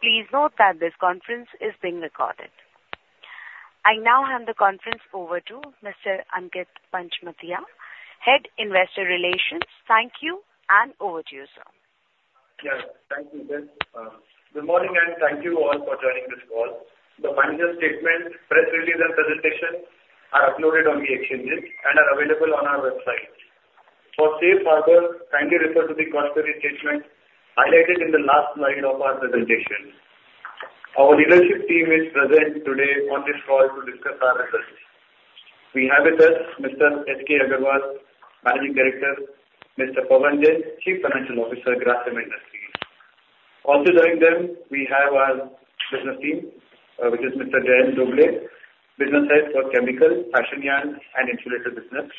Please note that this conference is being recorded. I now hand the conference over to Mr. Ankit Panchmatia, Head, Investor Relations. Thank you, and over to you, sir. Yes, thank you. Yes, good morning, and thank you all for joining this call. The financial statement, press release, and presentation are uploaded on the exchanges and are available on our website. For safe harbor, kindly refer to the cautionary statement highlighted in the last slide of our presentation. Our leadership team is present today on this call to discuss our results. We have with us Mr. H.K. Agarwal, Managing Director, Mr. Pavan Jain, Chief Financial Officer, Grasim Industries. Also joining them, we have our business team, which is Mr. Jayant Dhobley, Business Head for Chemicals, Fashion Yarn, and Insulator Business;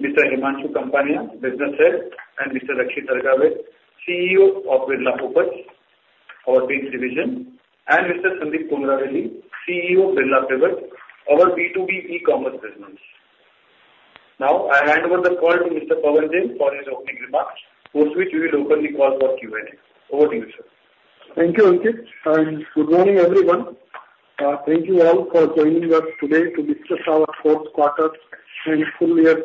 Mr. Himanshu Kapania, Business Head; and Mr. Rakshit Hargave, CEO of Birla Opus, our paints division; and Mr. Sandeep Komaravelly, CEO, Birla Pivot, our B2B e-commerce business. Now, I hand over the call to Mr. Pavan Jain for his opening remarks, post which we will open the call for Q&A. Over to you, sir. Thank you, Ankit, and good morning, everyone. Thank you all for joining us today to discuss our Fourth Quarter and Full Year,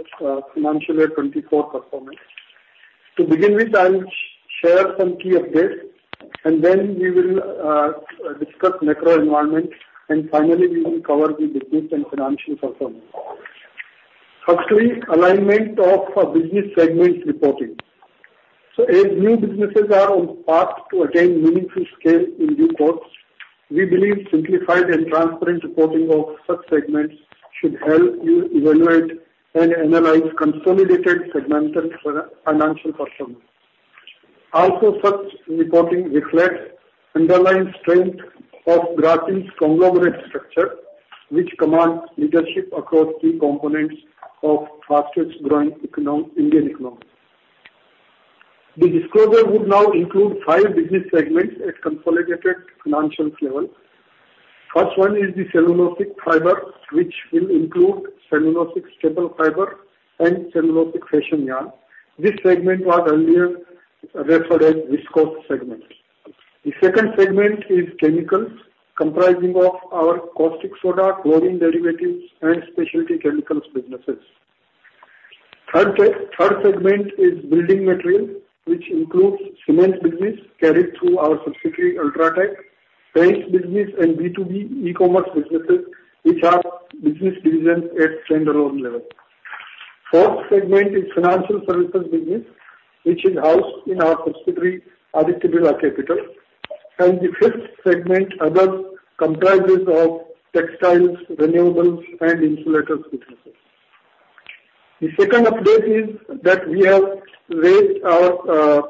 Financial Year 2024 Performance. To begin with, I will share some key updates, and then we will discuss macro environment, and finally, we will cover the business and financial performance. Firstly, alignment of our business segments reporting. So as new businesses are on path to attain meaningful scale in due course, we believe simplified and transparent reporting of such segments should help you evaluate and analyze consolidated segmental financial performance. Also, such reporting reflects underlying strength of Grasim's conglomerate structure, which commands leadership across key components of fastest growing Indian economy. The disclosure would now include five business segments at consolidated financial level. First one is the cellulosic fiber, which will include cellulosic staple fiber and cellulosic fashion yarn. This segment was earlier referred as viscose segment. The second segment is chemicals, comprising of our caustic soda, chlorine derivatives, and specialty chemicals businesses. Third seg, third segment is building material, which includes cement business carried through our subsidiary, UltraTech, paints business, and B2B e-commerce businesses, which are business divisions at standalone level. Fourth segment is financial services business, which is housed in our subsidiary, Aditya Birla Capital. The fifth segment, others, comprises of textiles, renewables, and insulators businesses. The second update is that we have raised our,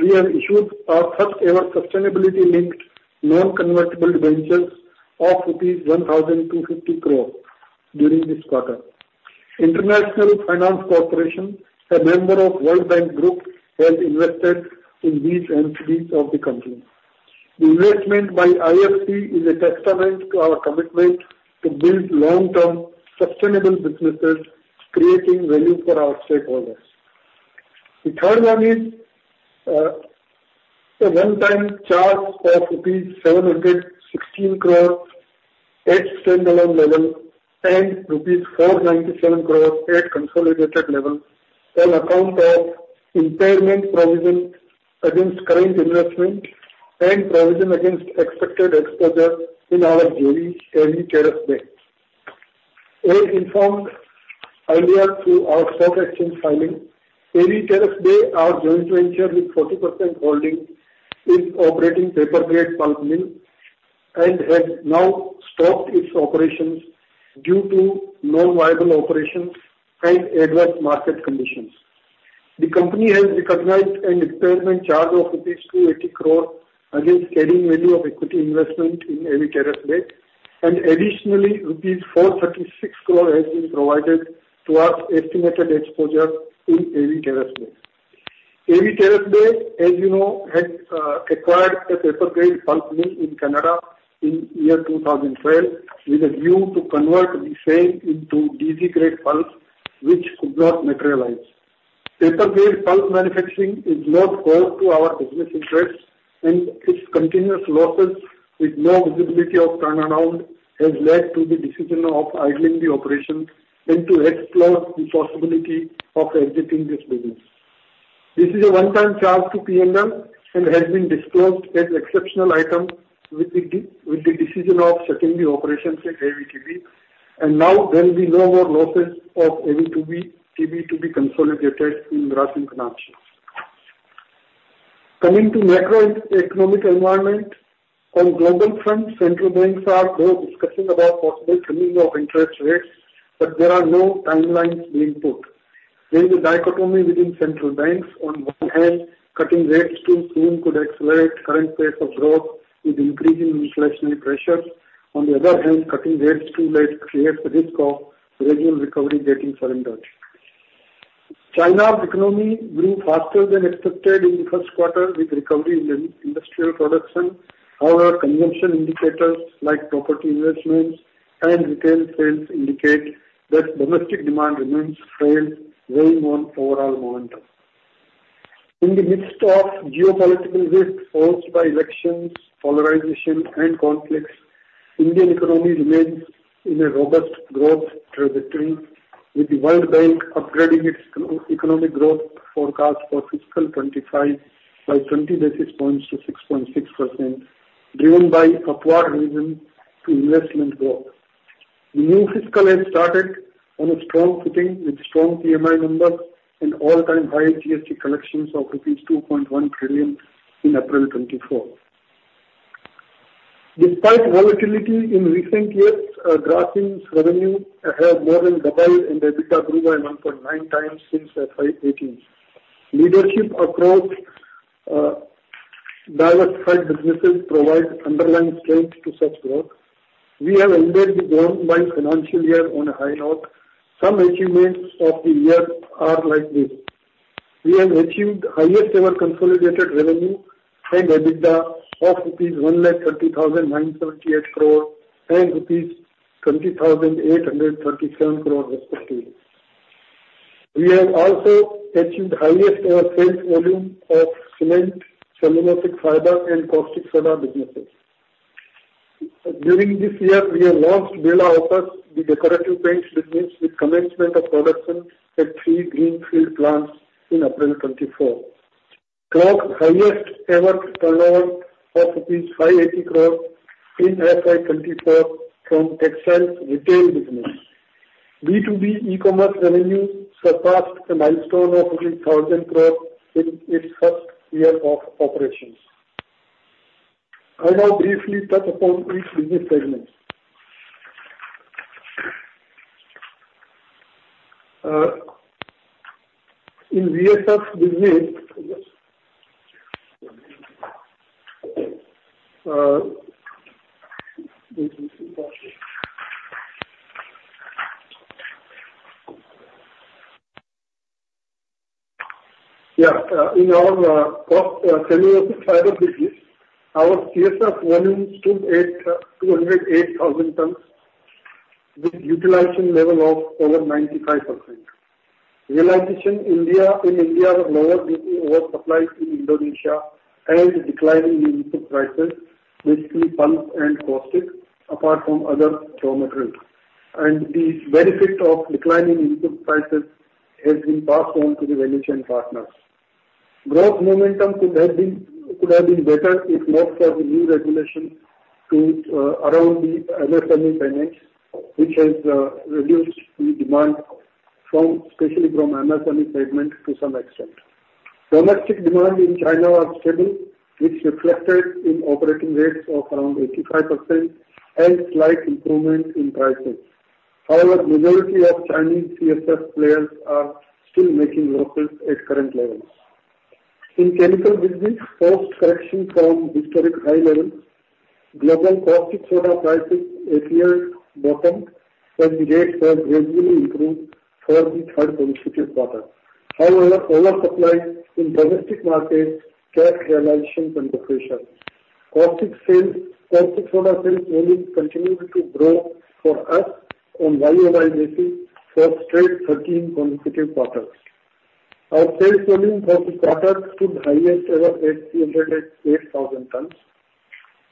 we have issued our first ever sustainability-linked non-convertible debentures of rupees 1,250 crore during this quarter. International Finance Corporation, a member of World Bank Group, has invested in these entities of the company. The investment by IFC is a testament to our commitment to build long-term sustainable businesses, creating value for our stakeholders. The third one is, a one-time charge of rupees 716 crore at standalone level and rupees 497 crore at consolidated level, on account of impairment provision against current investment and provision against expected exposure in our joint AV Terrace Bay. As informed earlier through our stock exchange filing, AV Terrace Bay, our joint venture with 40% holding, is operating paper grade pulp mill and has now stopped its operations due to non-viable operations and adverse market conditions. The company has recognized an impairment charge of INR 280 crore against carrying value of equity investment in AV Terrace Bay, and additionally, rupees 436 crore has been provided to our estimated exposure in AV Terrace Bay. AV Terrace Bay, as you know, had acquired a paper grade pulp mill in Canada in 2012, with a view to convert the same into dissolving grade pulp, which could not materialize. Paper grade pulp manufacturing is not core to our business interests, and its continuous losses, with no visibility of turnaround, has led to the decision of idling the operation and to explore the possibility of exiting this business. This is a one-time charge to P&L and has been disclosed as exceptional item with the decision of shutting the operations at AVTB, and now there will be no more losses of AVTB, to be consolidated in Grasim Financial. Coming to macroeconomic environment, on global front, central banks are more discussing about possible trimming of interest rates, but there are no timelines being put. There is a dichotomy within central banks. On one hand, cutting rates too soon could accelerate current pace of growth with increasing inflationary pressures. On the other hand, cutting rates too late creates a risk of fragile recovery getting surrendered. China's economy grew faster than expected in the first quarter, with recovery in industrial production. However, consumption indicators like property investments and retail sales indicate that domestic demand remains frail, weighing on overall momentum. In the midst of geopolitical risks posed by elections, polarization, and conflicts, Indian economy remains in a robust growth trajectory, with the World Bank upgrading its economic growth forecast for fiscal 2025 by 20 basis points to 6.6%, driven by upward revision to investment growth. The new fiscal year started on a strong footing, with strong PMI numbers and all-time high GST collections of rupees 2.1 trillion in April 2024. Despite volatility in recent years, Grasim's revenue have more than doubled and EBITDA grew by 1.9 times since FY 2018. Leadership across diversified businesses provide underlying strength to such growth. We have ended the worldwide financial year on a high note. Some achievements of the year are like this: We have achieved highest ever consolidated revenue and EBITDA of INR 1,30,978 crore and INR 20,837 crore, respectively. We have also achieved highest ever sales volume of cement, cellulosic fiber, and caustic soda businesses. During this year, we have launched Birla Opus, the decorative paints business, with commencement of production at three greenfield plants in April 2024. Clocked highest ever turnover of rupees 580 crore in FY 2024 from textile retail business. B2B e-commerce revenue surpassed a milestone of 1,000 crore in its first year of operations. I now briefly touch upon each business segment. In VSF business, in our first cellulosic fiber business, our CSF volumes stood at 208,000 tons, with utilization level of over 95%. Realization in India was lower due to oversupply to Indonesia and decline in input prices, basically pulp and caustic, apart from other raw materials. And the benefit of declining input prices has been passed on to the value chain partners. Growth momentum could have been better if not for the new regulation around the MSME segments, which has reduced the demand from, especially from MSME segment to some extent. Domestic demand in China was stable, which reflected in operating rates of around 85% and slight improvement in pricing. However, majority of Chinese CSF players are still making losses at current levels. In chemical business, post correction from historic high levels, global caustic soda prices appear bottomed and the rates have gradually improved for the third consecutive quarter. However, oversupply in domestic markets kept realization under pressure. Caustic sales- caustic soda sales volume continued to grow for us on year-over-year basis for straight 13 consecutive quarters. Our sales volume for the quarter stood highest ever at 308,000 tons.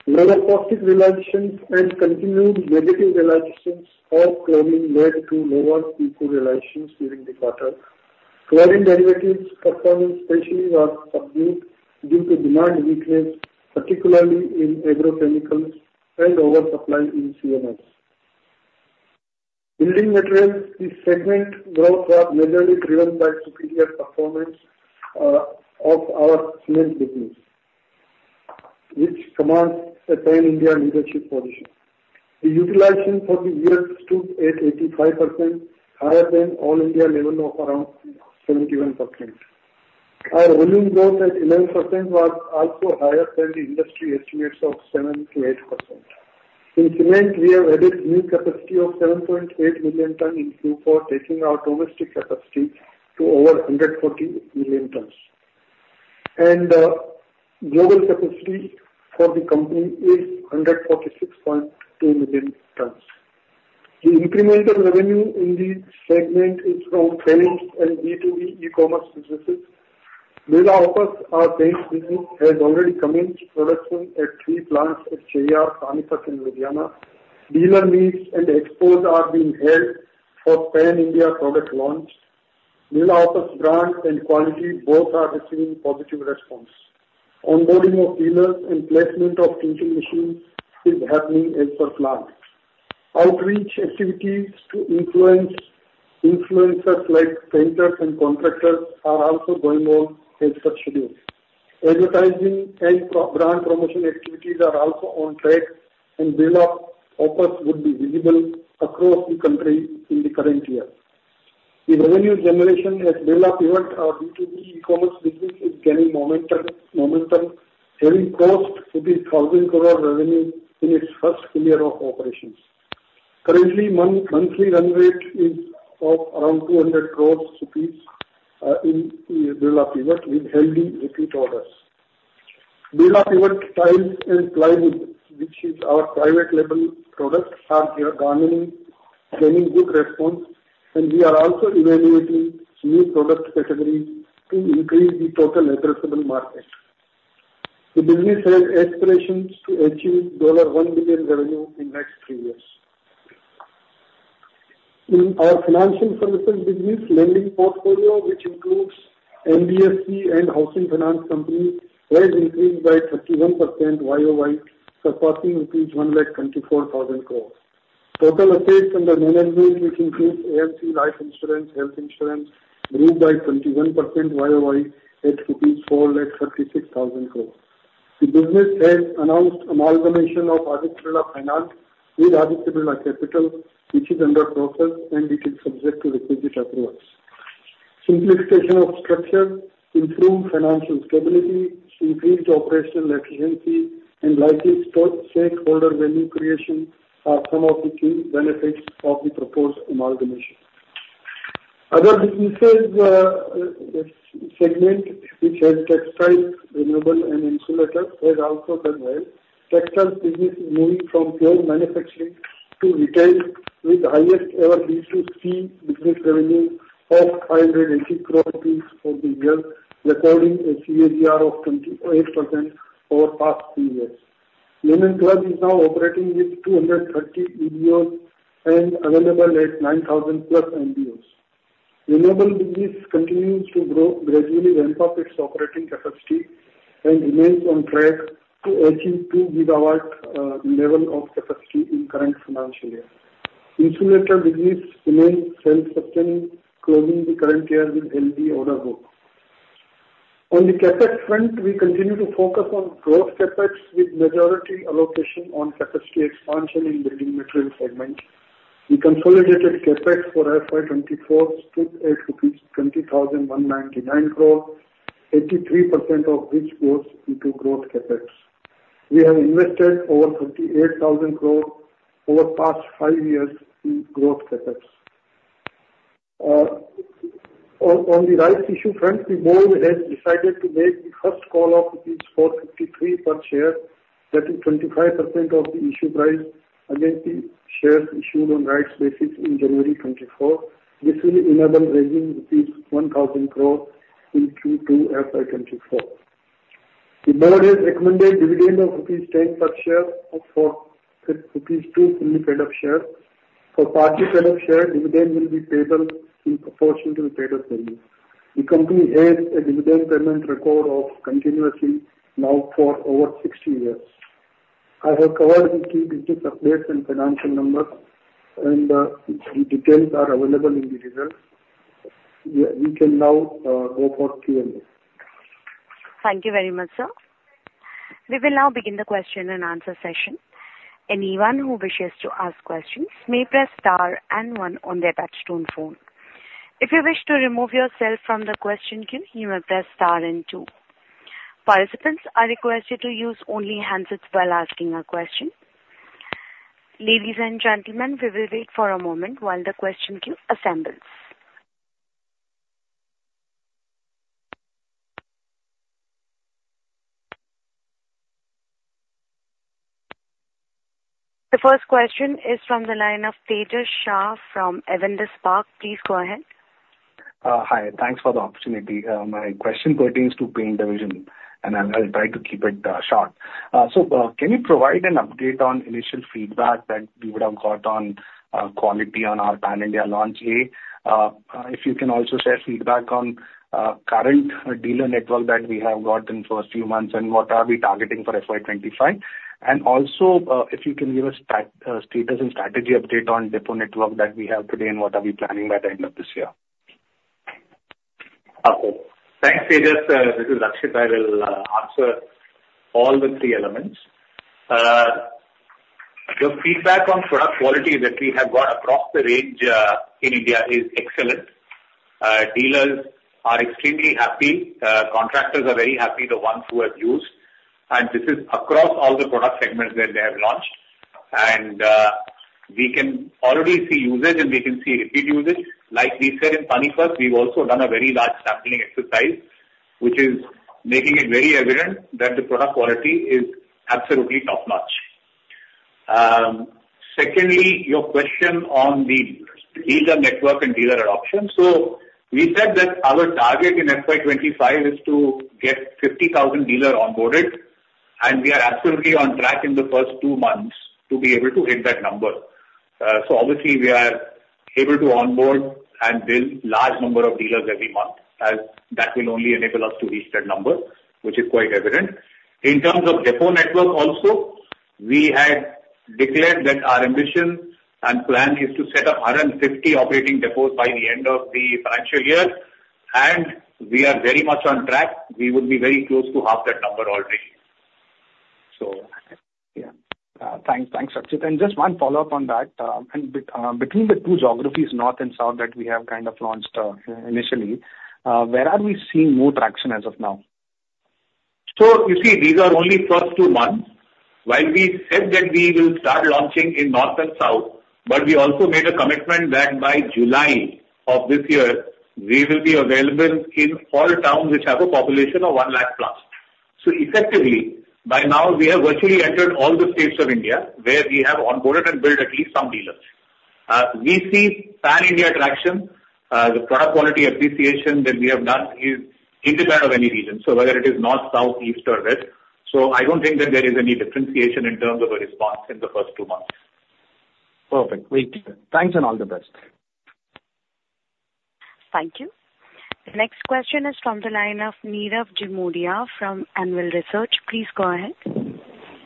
Lower caustic realizations and continued negative realizations of chlorine led to lower Q2 realizations during the quarter. Chlorine derivatives performance especially was subdued due to demand weakness, particularly in agrochemicals and oversupply in CMS. Building materials. The segment growth was majorly driven by superior performance of our cement business, which commands a pan-India leadership position. The utilization for the year stood at 85%, higher than all-India level of around 71%. Our volume growth at 11% was also higher than the industry estimates of 7%-8%. In cement, we have added new capacity of 7.8 million tons in Q4, taking our domestic capacity to over 140 million tons. Global capacity for the company is 146.2 million tons. The incremental revenue in the segment is from paints and B2B e-commerce businesses. Birla Opus, our paints business, has already commenced production at three plants at Cheyyar, Panipat, and Ludhiana. Dealer meets and expos are being held for pan-India product launch. Birla Opus brand and quality both are receiving positive response. Onboarding of dealers and placement of printing machines is happening as per plan. Outreach activities to influence influencers like painters and contractors are also going on as per schedule. Advertising and pro-brand promotion activities are also on track, and Birla Opus would be visible across the country in the current year. The revenue generation at Birla Pivot, our B2B e-commerce business, is gaining momentum, having crossed 1,000 crore revenue in its first year of operations. Currently, monthly run rate is of around 200 crore rupees in Birla Pivot, with healthy repeat orders. Tiles and Plywood, which is our private label product, are currently getting good response, and we are also evaluating new product categories to increase the total addressable market. The business has aspirations to achieve $1 billion revenue in next three years. In our financial services business, lending portfolio, which includes NBFC and housing finance companies, has increased by 31% YOY, surpassing 1,24,000 crore. Total assets under management, which includes HFC Life Insurance, health insurance, grew by 21% YOY at INR 4,36,000 crore. The business has announced amalgamation of Aditya Birla Finance with Aditya Birla Capital, which is under process and it is subject to requisite approvals. Simplification of structure, improved financial stability, increased operational efficiency, and likely shareholder value creation are some of the key benefits of the proposed amalgamation. Other businesses, segment, which has textiles, renewable and insulators, has also done well. Textile business is moving from pure manufacturing to retail, with highest ever B2C business revenue of 580 crore rupees for the year, recording a CAGR of 28% over past three years. Linen Club is now operating with 230 and available at 9,000+ MBOs. Renewable business continues to grow, gradually ramp up its operating capacity and remains on track to achieve 2-gigawatt level of capacity in current financial year. Insulator business remains self-sustaining, closing the current year with healthy order book. On the CapEx front, we continue to focus on growth CapEx with majority allocation on capacity expansion in building material segment. The consolidated CapEx for FY 2024 stood at rupees 20,199 crore, 83% of which goes into growth CapEx. We have invested over 38,000 crore over past five years in growth CapEx. On the rights issue front, the board has decided to make the first call of 453 per share, that is 25% of the issue price against the shares issued on rights basis in January 2024. This will enable raising rupees 1,000 crore in Q2 FY 2024. The board has recommended dividend of rupees 10 per share for rupees 2 fully paid-up shares. For partly paid-up shares, dividend will be payable in proportion to the paid-up value. The company has a dividend payment record of continuously now for over 60 years. I have covered the key business updates and financial numbers, and the details are available in the results. We can now go for Q&A. Thank you very much, sir. We will now begin the question and answer session. Anyone who wishes to ask questions may press star and one on their touchtone phone. If you wish to remove yourself from the question queue, you may press star and two. Participants are requested to use only handsets while asking a question. Ladies and gentlemen, we will wait for a moment while the question queue assembles. The first question is from the line of Tejas Shah from Avendus Spark. Please go ahead. Hi, thanks for the opportunity. My question pertains to paint division, and I'll try to keep it short. So, can you provide an update on initial feedback that you would have got on quality on our Pan India launch day? If you can also share feedback on current dealer network that we have got in first few months, and what are we targeting for FY 2025? And also, if you can give us status and strategy update on depot network that we have today, and what are we planning by the end of this year? Okay. Thanks, Tejas. This is Rakshit. I will answer all the three elements. The feedback on product quality that we have got across the range in India is excellent. Dealers are extremely happy. Contractors are very happy, the ones who have used, and this is across all the product segments where they have launched. We can already see usage, and we can see repeat usage. Like we said in Panipat, we've also done a very large sampling exercise, which is making it very evident that the product quality is absolutely top-notch. Secondly, your question on the dealer network and dealer adoption. So we said that our target in FY 2025 is to get 50,000 dealer onboarded, and we are absolutely on track in the first two months to be able to hit that number. So obviously, we are able to onboard and build large number of dealers every month, as that will only enable us to reach that number, which is quite evident. In terms of depot network also, we had declared that our ambition and plan is to set up around 50 operating depots by the end of the financial year, and we are very much on track. We would be very close to half that number already. Yeah. Thanks, Rakshit. Just one follow-up on that, between the two geographies, north and south, that we have kind of launched initially, where are we seeing more traction as of now? You see, these are only first two months. While we said that we will start launching in north and south, but we also made a commitment that by July of this year, we will be available in all towns which have a population of one lakh plus. So effectively, by now, we have virtually entered all the states of India, where we have onboarded and built at least some dealers. We see pan-India traction. The product quality appreciation that we have done is independent of any region, so whether it is north, south, east or west. So I don't think that there is any differentiation in terms of a response in the first two months. Perfect. Great. Thanks, and all the best. Thank you. The next question is from the line of Nirav Jimudia from Anvil Research. Please go ahead.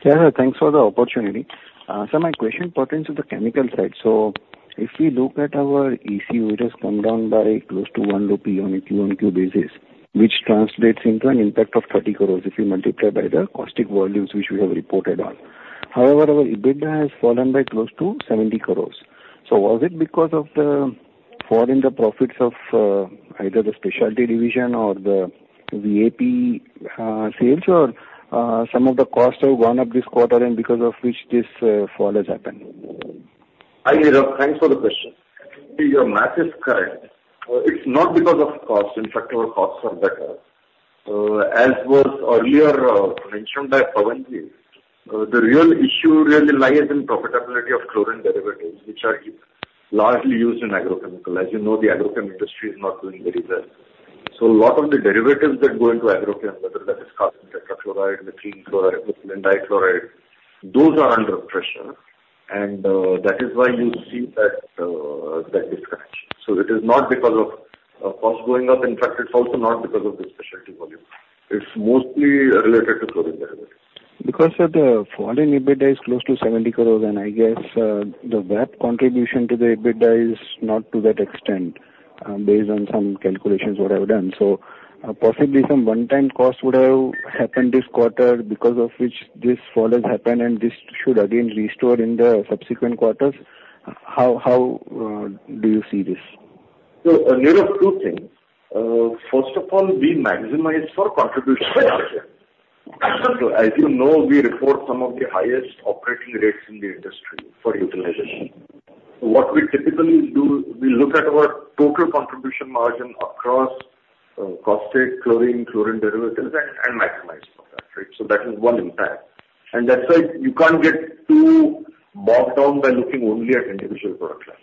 Yeah, thanks for the opportunity. So my question pertains to the chemical side. So if we look at our ECU, it has come down by close to 1 on a Q-on-Q basis, which translates into an impact of 30 crore if you multiply by the caustic volumes, which we have reported on. However, our EBITDA has fallen by close to 70 crore. So was it because of the fall in the profits of either the specialty division or the VAP sales, or some of the costs have gone up this quarter and because of which this fall has happened? Hi, Nirav, thanks for the question. Your math is correct. It's not because of cost. In fact, our costs are better. As was earlier mentioned by Pavan Jain, the real issue really lies in profitability of chlorine derivatives, which are largely used in agrochemical. As you know, the agrochem industry is not doing very well. So a lot of the derivatives that go into agrochem, whether that is carbon tetrachloride, methylene chloride, methylene dichloride, those are under pressure. And that is why you see that discretion. So it is not because of costs going up. In fact, it's also not because of the specialty volume. It's mostly related to chlorine derivative. Because of the falling EBITDA is close to 70 crore, and I guess, the VAP contribution to the EBITDA is not to that extent, based on some calculations what I've done. So, possibly some one-time cost would have happened this quarter, because of which this fall has happened, and this should again restore in the subsequent quarters. How, how, do you see this? So, Nirav, two things. First of all, we maximize for contribution margin. So as you know, we report some of the highest operating rates in the industry for utilization. What we typically do, we look at our total contribution margin across, caustic, chlorine, chlorine derivatives, and, and maximize for that, right? So that is one impact. And that's why you can't get too bogged down by looking only at individual product lines.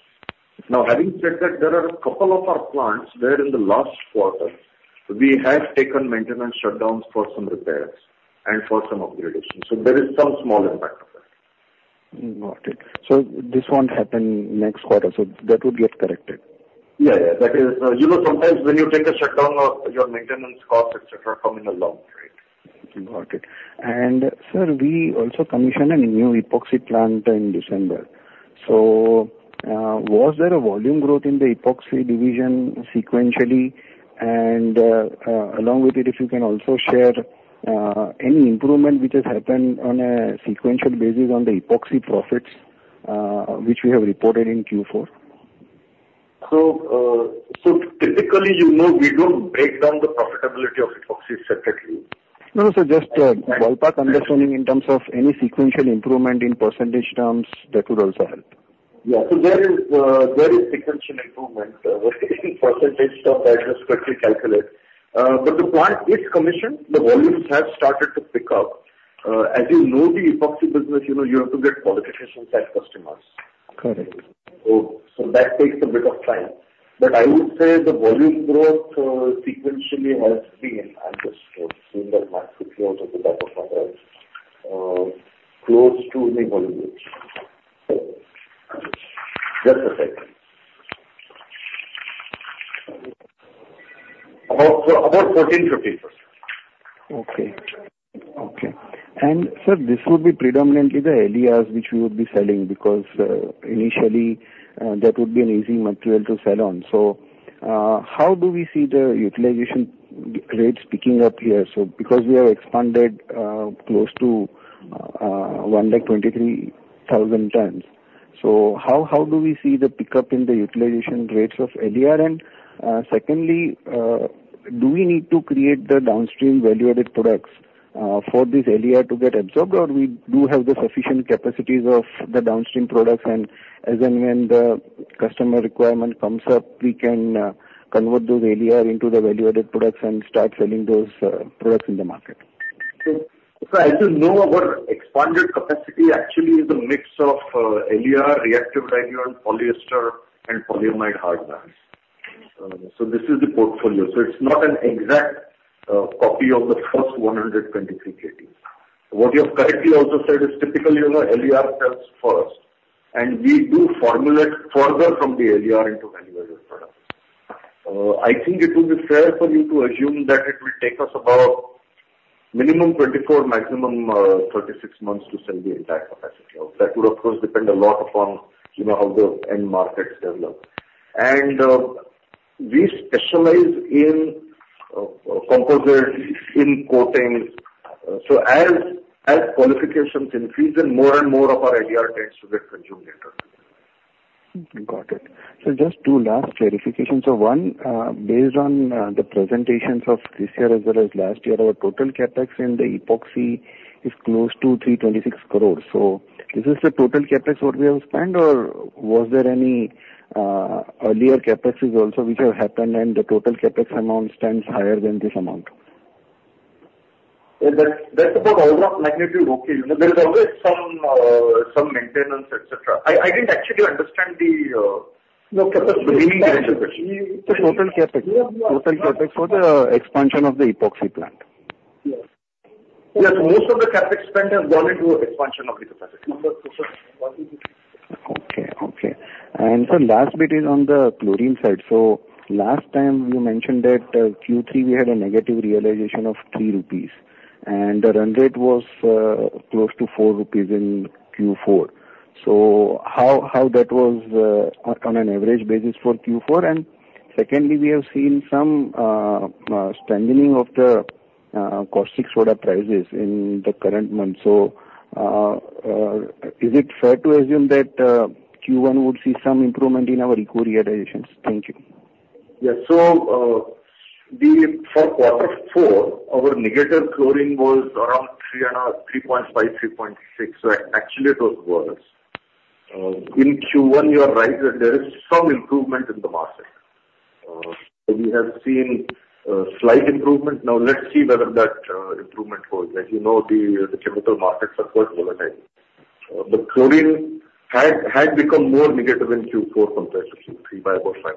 Now, having said that, there are a couple of our plants, where in the last quarter, we have taken maintenance shutdowns for some repairs and for some upgradation, so there is some small impact of that. Got it. So this won't happen next quarter, so that would get corrected? Yeah, yeah. That is, you know, sometimes when you take a shutdown of your maintenance costs, et cetera, come in a long, right? Got it. Sir, we also commissioned a new epoxy plant in December. Was there a volume growth in the epoxy division sequentially? Along with it, if you can also share any improvement which has happened on a sequential basis on the epoxy profits, which we have reported in Q4. So, typically, you know, we don't break down the profitability of Epoxy separately. No, no, sir, just, ballpark understanding in terms of any sequential improvement in percentage terms, that would also help. Yeah. So there is, there is sequential improvement. What is the percentage of that just quickly calculate. But the plant is commissioned. Okay. The volumes have started to pick up. As you know, the epoxy business, you know, you have to get qualifications by customers. Correct. So, that takes a bit of time. But I would say the volume growth sequentially has been, I'm just saying off the top of my head, close to the volumes. Just a second. About 14%-15%. Okay. Okay. Sir, this would be predominantly the LERs which we would be selling, because initially that would be an easy material to sell on. So how do we see the utilization rates picking up here? So because we have expanded close to 123,000 tons. So how do we see the pickup in the utilization rates of LER? And secondly, do we need to create the downstream value-added products for this LER to get absorbed, or we do have the sufficient capacities of the downstream products, and as and when the customer requirement comes up, we can convert those LER into the value-added products and start selling those products in the market? So as you know, our expanded capacity actually is a mix of LER, reactive rayon, polyester and polyamide hardeners. So this is the portfolio. So it's not an exact copy of the first 123 KT. What you have correctly also said is typically, you know, LER sells first, and we do formulate further from the LER into value-added products. I think it would be fair for you to assume that it will take us about minimum 24, maximum 36 months to sell the entire capacity. That would, of course, depend a lot upon, you know, how the end markets develop. And we specialize in composites, in coatings. So as qualifications increase, then more and more of our LER tends to get consumed later.... Got it. So just two last clarifications. So one, based on the presentations of this year as well as last year, our total CapEx in the epoxy is close to 326 crore. So is this the total CapEx what we have spent, or was there any earlier CapExes also which have happened, and the total CapEx amount stands higher than this amount? Well, that's, that's about order of magnitude, okay. You know, there is always some, some maintenance, et cetera. I, I didn't actually understand the, No, CapEx. The meaning behind the question. The total CapEx. Total CapEx for the expansion of the epoxy plant. Yes. Yes, most of the CapEx spend has gone into expansion of the capacity. Okay, okay. And sir, last bit is on the chlorine side. So last time you mentioned that, Q3, we had a negative realization of 3 rupees, and the run rate was close to 4 rupees in Q4. So how that was on an average basis for Q4? And secondly, we have seen some strengthening of the caustic soda prices in the current month. So is it fair to assume that Q1 would see some improvement in our recovery realizations? Thank you. Yes. So, for quarter four, our negative chlorine was around 3.5, 3.5, 3.6. So actually, it was worse. In Q1, you are right, that there is some improvement in the market. So we have seen a slight improvement. Now let's see whether that improvement holds. As you know, the chemical markets are quite volatile. The chlorine had become more negative in Q4 compared to Q3 by about 5%.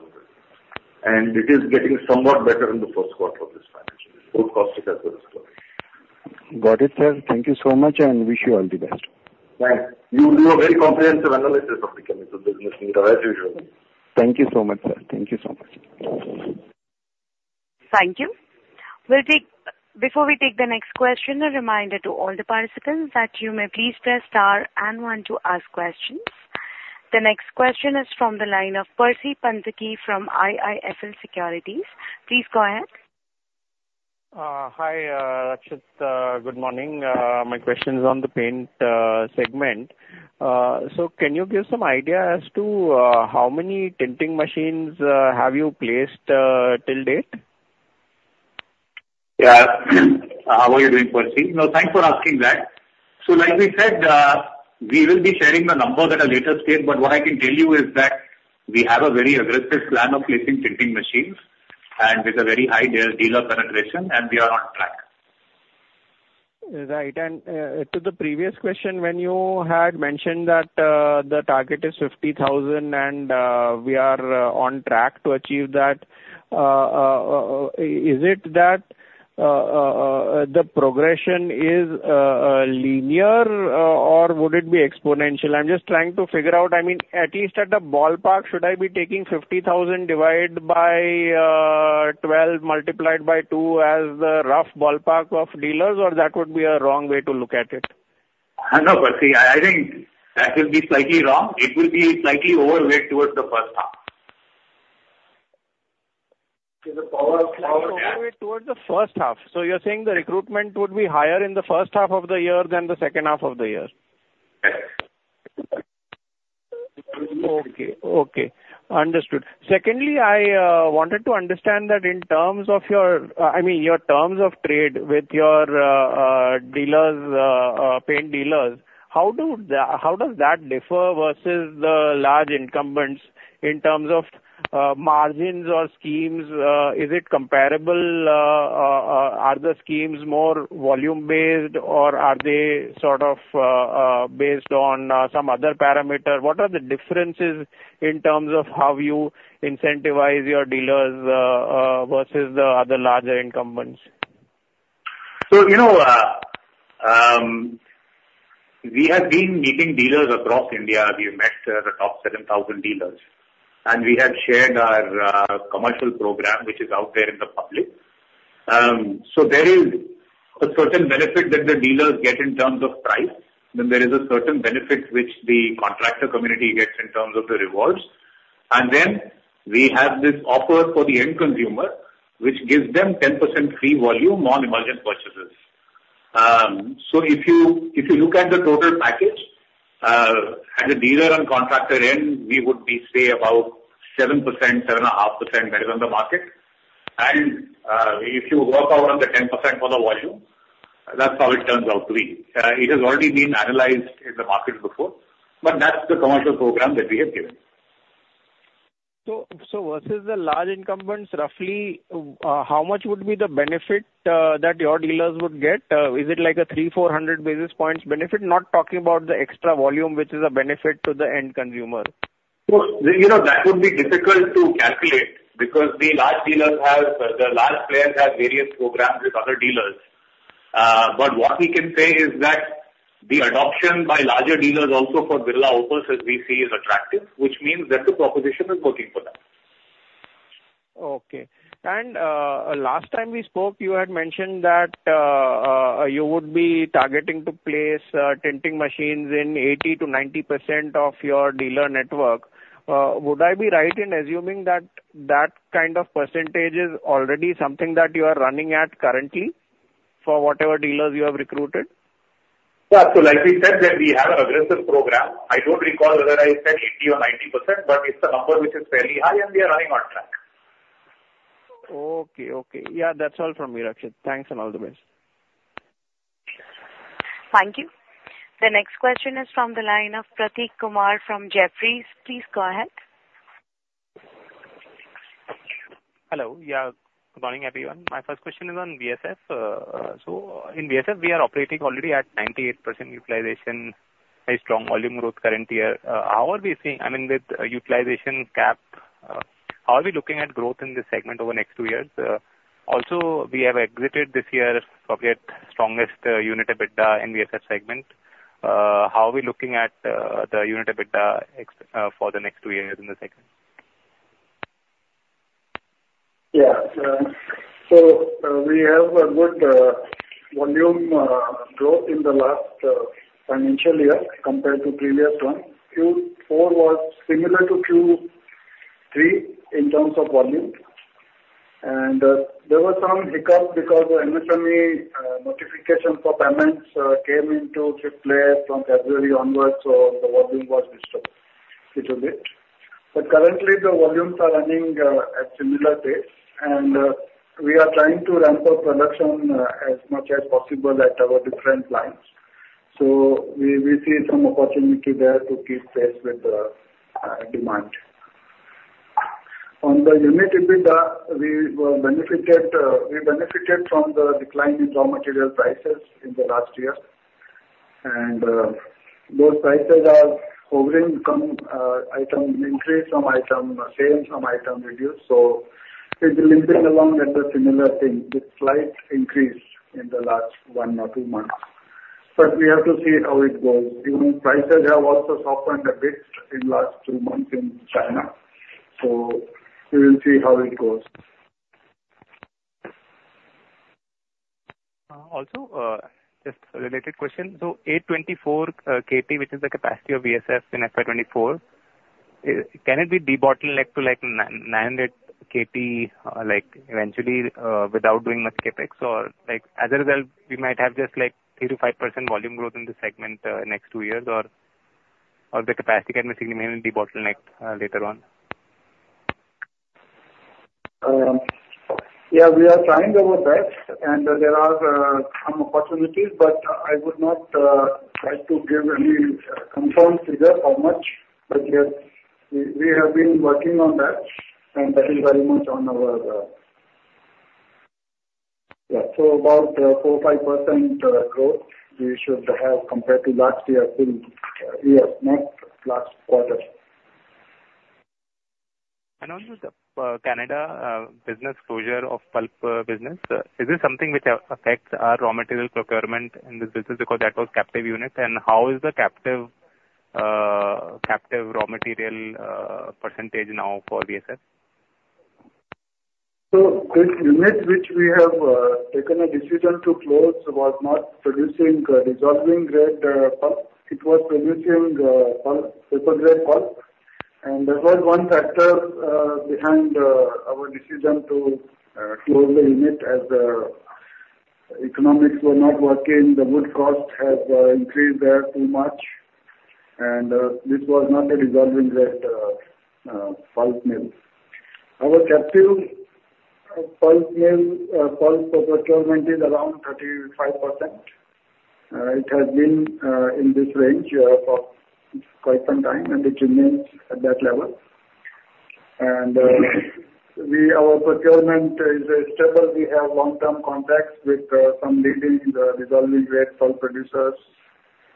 And it is getting somewhat better in the first quarter of this financial year, both caustic as well as chlorine. Got it, sir. Thank you so much, and wish you all the best. Thanks. You do a very comprehensive analysis of the chemical business, Nirav, usually. Thank you so much, sir. Thank you so much. Thank you. We'll take... Before we take the next question, a reminder to all the participants that you may please press star and one to ask questions. The next question is from the line of Percy Panthaki from IIFL Securities. Please go ahead. Hi, Ankit, good morning. My question is on the paint segment. So can you give some idea as to how many tinting machines have you placed till date? Yeah. How are you doing, Percy? No, thanks for asking that. So like we said, we will be sharing the number at a later stage, but what I can tell you is that we have a very aggressive plan of placing tinting machines and with a very high dealer penetration, and we are on track. Right. And to the previous question, when you had mentioned that, the target is 50,000, and we are on track to achieve that, is it that the progression is linear, or would it be exponential? I'm just trying to figure out, I mean, at least at the ballpark, should I be taking 50,000 divided by 12, multiplied by 2 as the rough ballpark of dealers, or that would be a wrong way to look at it? No, Percy, I think that will be slightly wrong. It will be slightly overweight towards the first half. Slight overweight towards the first half. So you're saying the recruitment would be higher in the first half of the year than the second half of the year? Yes. Okay, okay. Understood. Secondly, I wanted to understand that in terms of your—I mean, your—terms of trade with your dealers, paint dealers, how does that differ versus the large incumbents in terms of margins or schemes? Are the schemes more volume-based, or are they sort of based on some other parameter? What are the differences in terms of how you incentivize your dealers versus the other larger incumbents? So, you know, we have been meeting dealers across India. We have met the top 7,000 dealers, and we have shared our commercial program, which is out there in the public. So there is a certain benefit that the dealers get in terms of price, then there is a certain benefit which the contractor community gets in terms of the rewards. And then we have this offer for the end consumer, which gives them 10% free volume on emergent purchases. So if you look at the total package at the dealer and contractor end, we would be, say, about 7%, 7.5% better than the market. And if you work out on the 10% for the volume, that's how it turns out to be. It has already been analyzed in the market before, but that's the commercial program that we have given. So versus the large incumbents, roughly, how much would be the benefit that your dealers would get? Is it like a 300-400 basis points benefit? Not talking about the extra volume, which is a benefit to the end consumer. Well, you know, that would be difficult to calculate because the large dealers have, the large players have various programs with other dealers. But what we can say is that the adoption by larger dealers also for Birla Opus, as we see, is attractive, which means that the proposition is working for them. Okay. And last time we spoke, you had mentioned that you would be targeting to place tinting machines in 80%-90% of your dealer network. Would I be right in assuming that that kind of percentage is already something that you are running at currently, for whatever dealers you have recruited? ... Yeah, so like we said that we have an aggressive program. I don't recall whether I said 80% or 90%, but it's a number which is fairly high, and we are running on track. Okay, okay. Yeah, that's all from me, Ankit. Thanks, and all the best. Thank you. The next question is from the line of Prateek Kumar from Jefferies. Please go ahead. Hello, yeah. Good morning, everyone. My first question is on VSF. So in VSF, we are operating already at 98% utilization, very strong volume growth current year. How are we seeing, I mean, with utilization cap, how are we looking at growth in this segment over the next two years? Also, we have exited this year probably at strongest unit EBITDA in VSF segment. How are we looking at the unit EBITDA ex- for the next two years in the segment? Yeah. So, we have a good volume growth in the last financial year compared to previous one. Q4 was similar to Q3 in terms of volume. And, there was some hiccup because the MSME notification for payments came into play from February onwards, so the volume was disturbed little bit. But currently, the volumes are running at similar pace, and we are trying to ramp up production as much as possible at our different lines. So we see some opportunity there to keep pace with demand. On the unit EBITDA, we were benefited, we benefited from the decline in raw material prices in the last year. And, those prices are hovering some item increase, some item same, some item reduced. It will move along at a similar thing with slight increase in the last one or two months. We have to see how it goes. Even prices have also softened a bit in last two months in China, so we will see how it goes. Just a related question: so 24 KT, which is the capacity of VSF in FY 2024, is, can it be bottlenecked to, like, 900 KT, like, eventually, without doing much CapEx? Or, like, as a result, we might have just, like, 3%-5% volume growth in this segment, next two years, or, or the capacity can remain in the bottleneck, later on? Yeah, we are trying our best, and there are some opportunities, but I would not like to give any confirmed figure how much. But, yes, we have been working on that, and that is very much on our... Yeah, so about 4%-5% growth we should have compared to last year in yes, next last quarter. On this Canada business closure of pulp business, is this something which affects our raw material procurement in this business? Because that was captive unit. And how is the captive raw material percentage now for VSF? So this unit, which we have taken a decision to close, was not producing dissolving grade pulp. It was producing pulp, paper grade pulp. And that was one factor behind our decision to close the unit, as economics were not working. The wood cost has increased there too much, and this was not a dissolving grade pulp mill. Our captive pulp mill pulp procurement is around 35%. It has been in this range for quite some time, and it remains at that level. And we, our procurement is stable. We have long-term contracts with some leading dissolving grade pulp producers,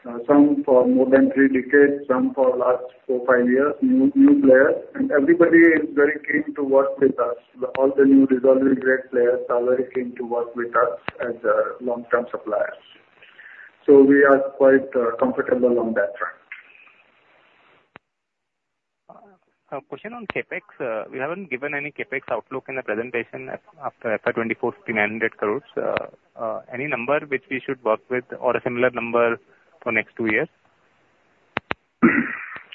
some for more than three decades, some for last four, five years, new players. And everybody is very keen to work with us. All the new dissolving grade players are very keen to work with us as long-term suppliers. So we are quite comfortable on that front. A question on CapEx. We haven't given any CapEx outlook in the presentation after FY 2024, 5,900 crore. Any number which we should work with or a similar number for next two years?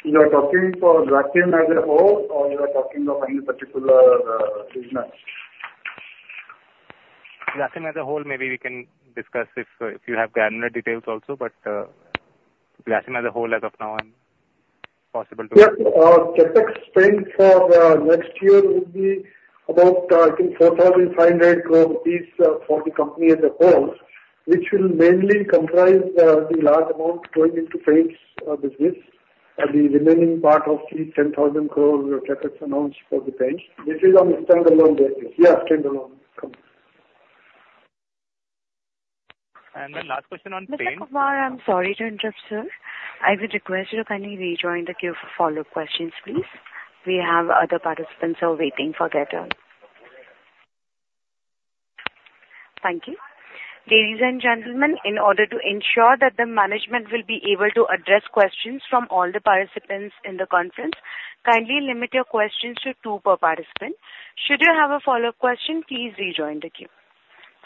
You are talking for Grasim as a whole, or you are talking of any particular, business? Grasim as a whole. Maybe we can discuss if, if you have granular details also, but, Grasim as a whole as of now on, possible to- Yeah. CapEx spend for next year would be about, I think 4,500 crore rupees for the company as a whole, which will mainly comprise the large amount going into paints business, and the remaining part of the 10,000 crore CapEx announced for the paints. This is on the standalone basis. Yeah, standalone company. Last question on paints- Mr. Kumar, I'm sorry to interrupt, sir. I would request you to kindly rejoin the queue for follow-up questions, please. We have other participants who are waiting for their turn. Thank you. Ladies and gentlemen, in order to ensure that the management will be able to address questions from all the participants in the conference, kindly limit your questions to two per participant. Should you have a follow-up question, please rejoin the queue.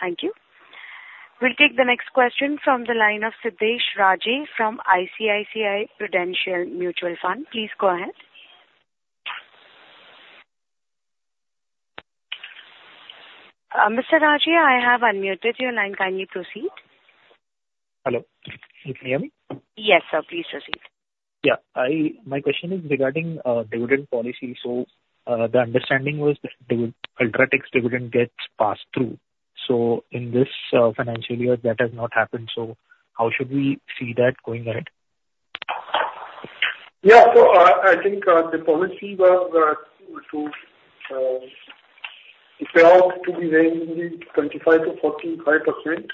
Thank you. We'll take the next question from the line of Siddhesh Raje from ICICI Prudential Mutual Fund. Please go ahead. Mr. Raje, I have unmuted your line. Kindly proceed. Hello, can you hear me? Yes, sir, please proceed. Yeah, I, my question is regarding dividend policy. So, the understanding was that the UltraTech's dividend gets passed through. So in this financial year, that has not happened, so how should we see that going ahead? Yeah. So, I think, the policy was to pay out to be ranging 25%-45%.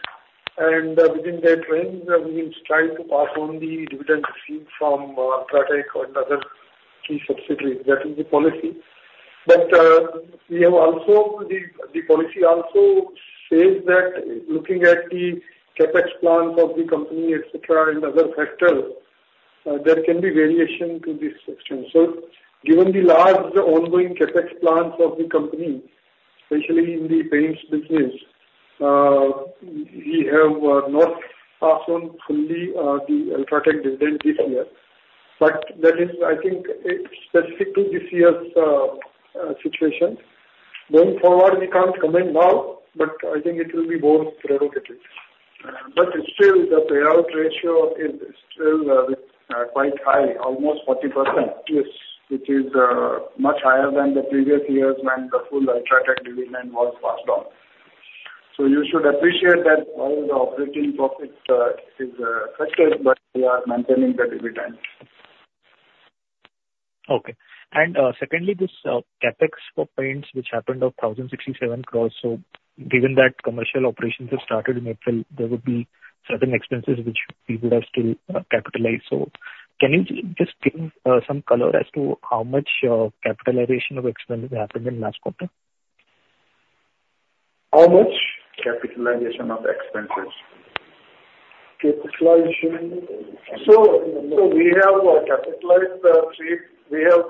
And, within that range, we will try to pass on the dividend received from UltraTech and other key subsidiaries. That is the policy. But, we have also the policy also says that looking at the CapEx plans of the company, et cetera, and other factors, there can be variation to this extent. So given the large ongoing CapEx plans of the company, especially in the paints business, we have not passed on fully the UltraTech dividend this year, but that is, I think, it's specific to this year's situation. Going forward, we can't comment now, but I think it will be more prerogative. But still, the payout ratio is still quite high, almost 40%. Yes. Which is much higher than the previous years when the full UltraTech dividend was passed on. So you should appreciate that all the operating profit is affected, but we are maintaining the dividend. Okay. And, secondly, this CapEx for paints, which happened of 1,067 crore, so given that commercial operations have started in April, there would be certain expenses which we would have to capitalize. So can you just give some color as to how much capitalization of expenses happened in last quarter? How much? Capitalization of expenses. Capitalization? So, we have capitalized three. We have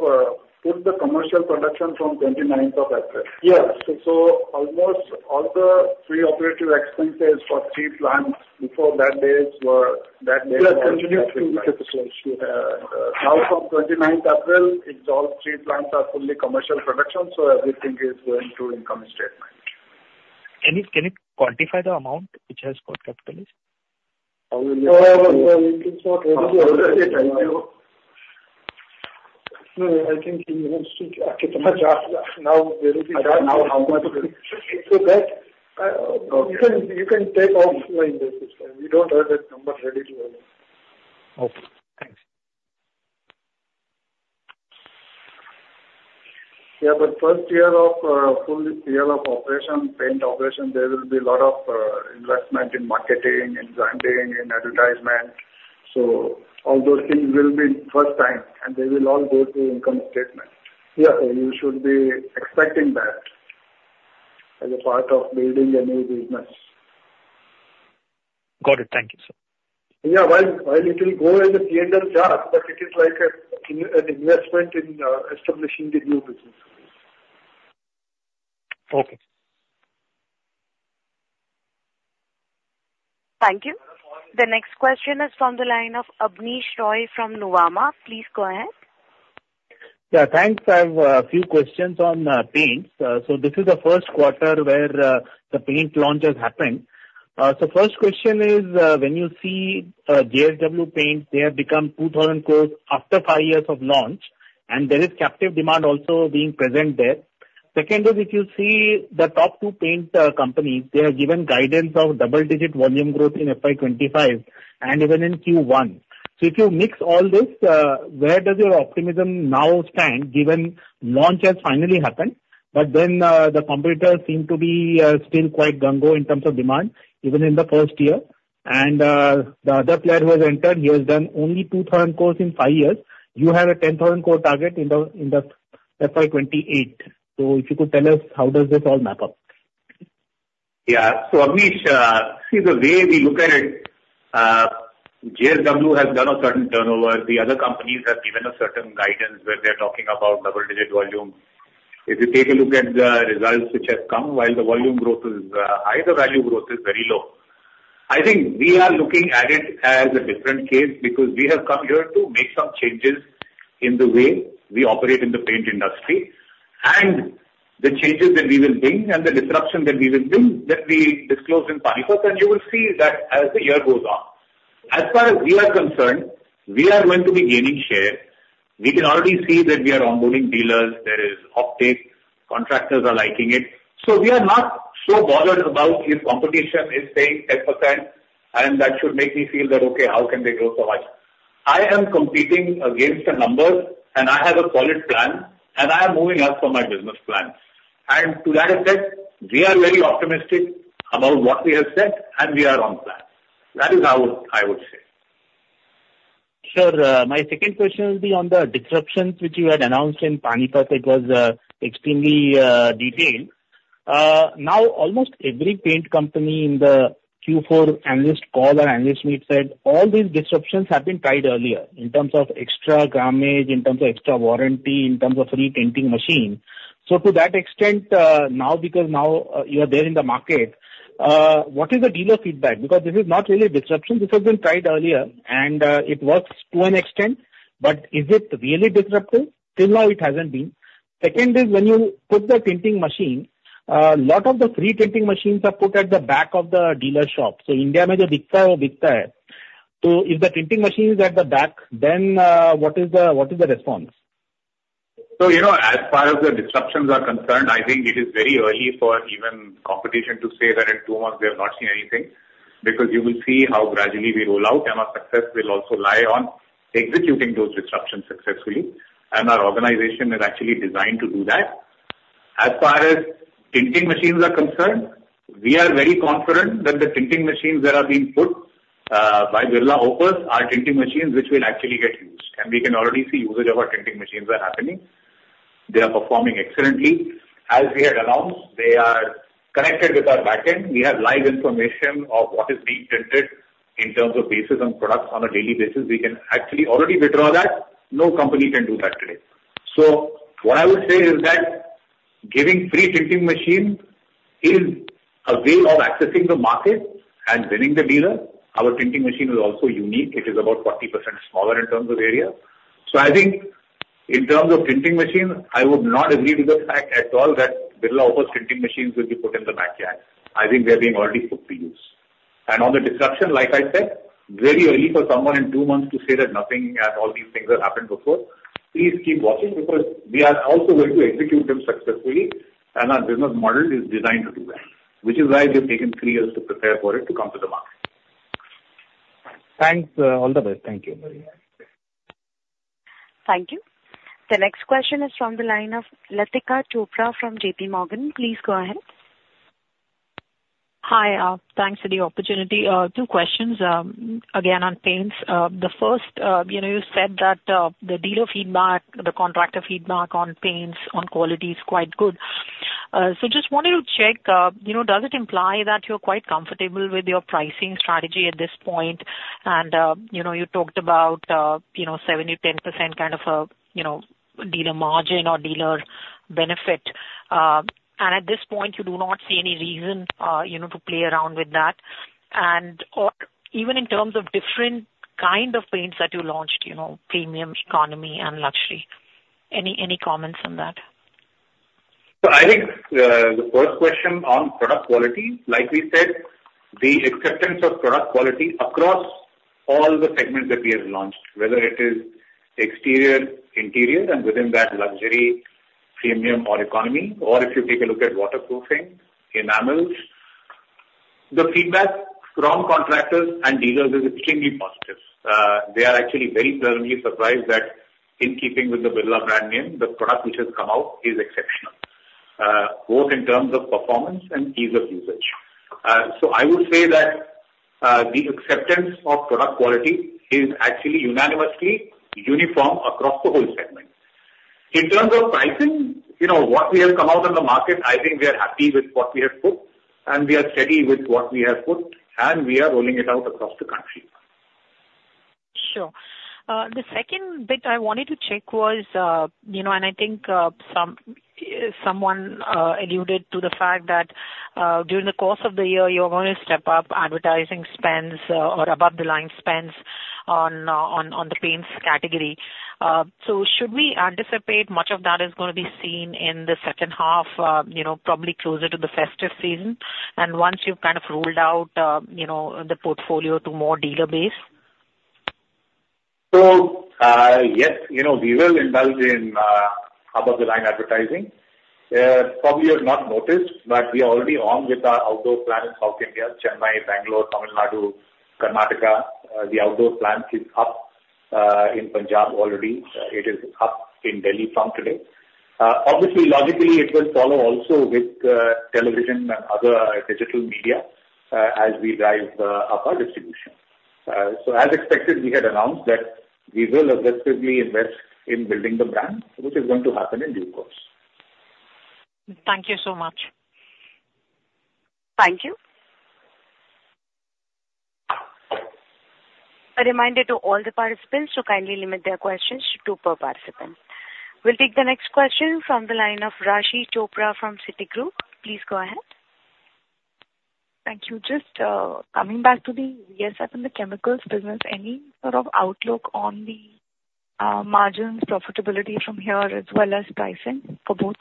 put the commercial production from twenty-ninth of April. Yes. So almost all the pre-operative expenses for three plants before that date were that day- Continue to capitalize. Now from 29th April, it's all three plants are fully commercial production, so everything is going through income statement. Can you quantify the amount which has got capitalized? Well, it is not. No, I think he wants to ask how much are now, there will be- Now, how much? So that, you can, you can take offline this time. We don't have that number ready to go. Okay, thanks. Yeah, but first year of, full year of operation, paint operation, there will be a lot of, investment in marketing, in branding, in advertisement. So all those things will be first time, and they will all go through income statement. Yeah. You should be expecting that as a part of building a new business. Got it. Thank you, sir. Yeah. While it will go as a P&L chart, but it is like an investment in establishing the new business. Okay. Thank you. The next question is from the line of Abneesh Roy from Nuvama. Please go ahead. Yeah, thanks. I have a few questions on paints. So this is the first quarter where the paint launch has happened. So first question is, when you see JSW Paints, they have become 2,000 crore after five years of launch, and there is captive demand also being present there. Second is, if you see the top two paint companies, they have given guidance of double-digit volume growth in FY 2025 and even in Q1. So if you mix all this, where does your optimism now stand, given launch has finally happened, but then the competitors seem to be still quite gung-ho in terms of demand, even in the first year? And the other player who has entered, he has done only 2,000 crore in five years. You have an 10,000 crore target in the FY 2028. So if you could tell us, how does this all map up? Yeah. So Abneesh, see, the way we look at it, JSW has done a certain turnover. The other companies have given a certain guidance when they're talking about double-digit volume. If you take a look at the results which have come, while the volume growth is high, the value growth is very low. I think we are looking at it as a different case because we have come here to make some changes in the way we operate in the paint industry. And the changes that we will bring and the disruption that we will bring, that we disclose in Panipat, and you will see that as the year goes on. As far as we are concerned, we are going to be gaining share. We can already see that we are onboarding dealers, there is uptake, contractors are liking it. So we are not so bothered about if competition is saying 10%, and that should make me feel that, "Okay, how can they grow so much?" I am competing against the numbers, and I have a solid plan, and I am moving up on my business plan. And to that effect, we are very optimistic about what we have said, and we are on plan. That is how I would say. Sure. My second question will be on the disruptions which you had announced in Panipat. It was extremely detailed. Now, almost every paint company in the Q4 analyst call or analyst meet said all these disruptions have been tried earlier, in terms of extra grammage, in terms of extra warranty, in terms of free painting machine. So to that extent, now, because now you are there in the market, what is the dealer feedback? Because this is not really a disruption, this has been tried earlier, and it works to an extent... But is it really disruptive? Till now, it hasn't been. Second is, when you put the tinting machine, a lot of the free tinting machines are put at the back of the dealer shop. So India..., so if the tinting machine is at the back, then, what is the, what is the response? So, you know, as far as the disruptions are concerned, I think it is very early for even competition to say that in two months they have not seen anything, because you will see how gradually we roll out, and our success will also lie on executing those disruptions successfully. And our organization is actually designed to do that. As far as tinting machines are concerned, we are very confident that the tinting machines that are being put by Birla Opus are tinting machines which will actually get used. And we can already see usage of our tinting machines are happening. They are performing excellently. As we had announced, they are connected with our back end. We have live information of what is being tinted in terms of bases and products on a daily basis. We can actually already withdraw that. No company can do that today. So what I would say is that giving free tinting machine is a way of accessing the market and winning the dealer. Our tinting machine is also unique. It is about 40% smaller in terms of area. So I think in terms of tinting machine, I would not agree with the fact at all that Birla Opus tinting machines will be put in the backyard. I think they are being already put to use. And on the disruption, like I said, very early for someone in two months to say that nothing and all these things have happened before. Please keep watching, because we are also going to execute them successfully, and our business model is designed to do that, which is why we've taken three years to prepare for it to come to the market. Thanks. All the best. Thank you very much. Thank you. The next question is from the line of Latika Chopra from JPMorgan. Please go ahead. Hi, thanks for the opportunity. Two questions, again, on paints. The first, you know, you said that the dealer feedback, the contractor feedback on paints, on quality is quite good. So just wanted to check, you know, does it imply that you're quite comfortable with your pricing strategy at this point? And, you know, you talked about, you know, 70%-10% kind of a, you know, dealer margin or dealer benefit. And at this point, you do not see any reason, you know, to play around with that and/or even in terms of different kind of paints that you launched, you know, premium, economy, and luxury. Any comments on that? So I think, the first question on product quality, like we said, the acceptance of product quality across all the segments that we have launched, whether it is exterior, interior, and within that luxury, premium or economy, or if you take a look at waterproofing, enamels, the feedback from contractors and dealers is extremely positive. They are actually very pleasantly surprised that in keeping with the Birla brand name, the product which has come out is exceptional, both in terms of performance and ease of usage. So I would say that, the acceptance of product quality is actually unanimously uniform across the whole segment. In terms of pricing, you know, what we have come out in the market, I think we are happy with what we have put, and we are steady with what we have put, and we are rolling it out across the country. Sure. The second bit I wanted to check was, you know, and I think, some, someone, alluded to the fact that, during the course of the year, you're going to step up advertising spends or above-the-line spends on, on the paints category. So should we anticipate much of that is gonna be seen in the second half, you know, probably closer to the festive season, and once you've kind of rolled out, you know, the portfolio to more dealer base? So, yes, you know, we will indulge in above-the-line advertising. Probably you have not noticed, but we are already on with our outdoor plan in South India, Chennai, Bangalore, Tamil Nadu, Karnataka. The outdoor plan is up in Punjab already. It is up in Delhi from today. Obviously, logically, it will follow also with television and other digital media as we drive up our distribution. So as expected, we had announced that we will aggressively invest in building the brand, which is going to happen in due course. Thank you so much. Thank you. A reminder to all the participants to kindly limit their questions to two per participant. We'll take the next question from the line of Raashi Chopra from Citigroup. Please go ahead. Thank you. Just, coming back to the VSF and the chemicals business, any sort of outlook on the margins profitability from here, as well as pricing for both?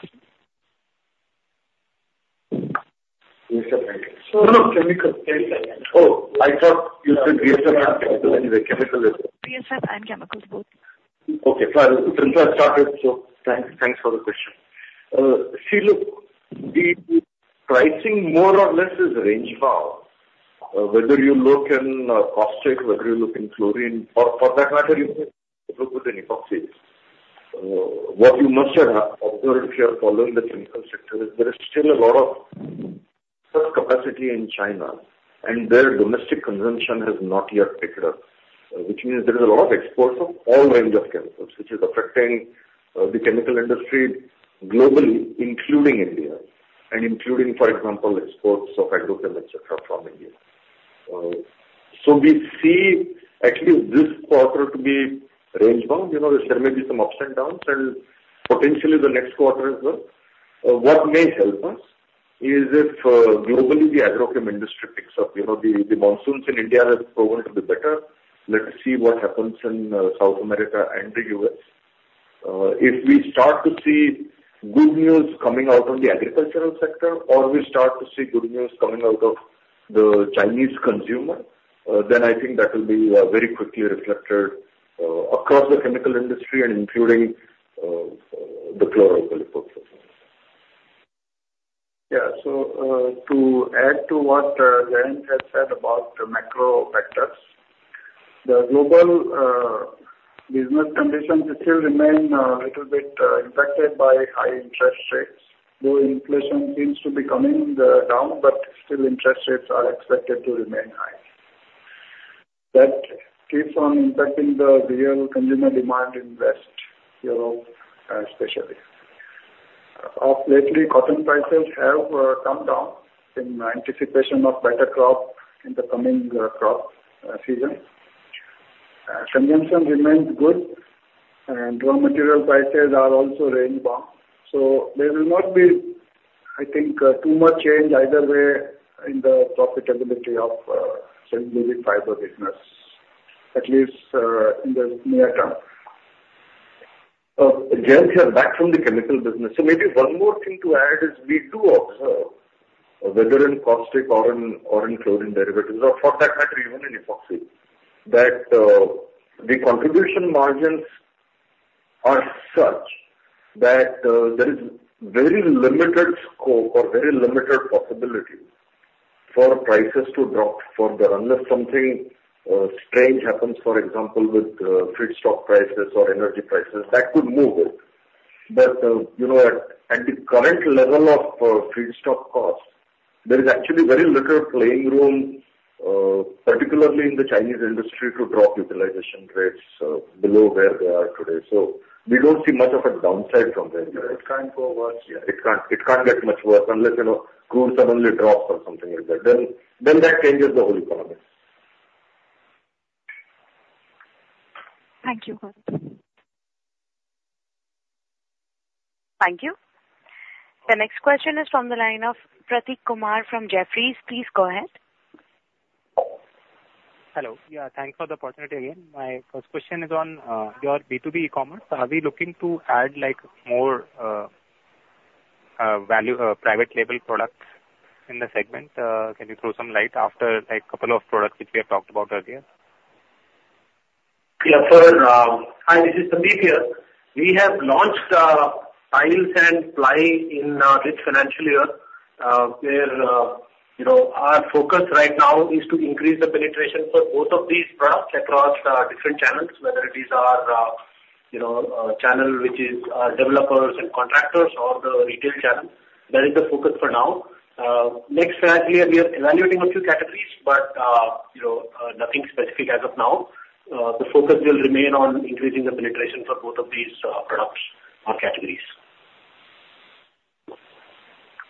Chemical. Oh, I thought you said VSF and chemical. Anyway, chemical- VSF and chemicals both. Okay. So since I started, so thanks, thanks for the question. See, look, the pricing more or less is range bound. Whether you look in caustic, whether you look in chlorine or for that matter, even epoxies. What you must have observed if you are following the chemical sector, is there is still a lot of surplus capacity in China, and their domestic consumption has not yet picked up, which means there is a lot of exports of all range of chemicals, which is affecting the chemical industry globally, including India and including, for example, exports of agrochem, etc., from India. So we see actually this quarter to be range bound. You know, there may be some ups and downs and potentially the next quarter as well.... What may help us is if globally the agrochem industry picks up. You know, the, the monsoons in India have proven to be better. Let us see what happens in South America and the U.S. If we start to see good news coming out of the agricultural sector, or we start to see good news coming out of the Chinese consumer, then I think that will be very quickly reflected across the chemical industry and including the Chlor-Alkali portfolio. Yeah. So, to add to what Jayant has said about the macro factors, the global business conditions still remain little bit impacted by high interest rates, though inflation seems to be coming down, but still interest rates are expected to remain high. That keeps on impacting the real consumer demand in Western Europe, especially. Of late, cotton prices have come down in anticipation of better crop in the coming crop season. Consumption remains good, and raw material prices are also remaining bound. So there will not be, I think, too much change either way in the profitability of VSF business, at least in the near term. Jayant here, back from the chemical business. So maybe one more thing to add is we do observe, whether in caustic or in, or in chlorine derivatives or for that matter, even in epoxy, that the contribution margins are such that there is very limited scope or very limited possibility for prices to drop further, unless something strange happens, for example, with feedstock prices or energy prices, that could move it. But you know, at the current level of feedstock costs, there is actually very little playing room, particularly in the Chinese industry, to drop utilization rates below where they are today. So we don't see much of a downside from there. It can't go worse. Yeah, it can't get much worse unless, you know, crude suddenly drops or something like that. Then that changes the whole economy. Thank you. Thank you. The next question is from the line of Prateek Kumar from Jefferies. Please go ahead. Hello. Yeah, thanks for the opportunity again. My first question is on your B2B e-commerce. Are we looking to add, like, more value private label products in the segment? Can you throw some light after, like, couple of products which we have talked about earlier? Yeah. Hi, this is Sandeep here. We have launched tiles and ply in this financial year, where you know, our focus right now is to increase the penetration for both of these products across different channels, whether it is our you know, channel, which is our developers and contractors or the retail channel. That is the focus for now. Next year we are evaluating a few categories, but you know, nothing specific as of now. The focus will remain on increasing the penetration for both of these products or categories.